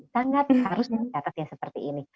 sangat harus dikatakan seperti ini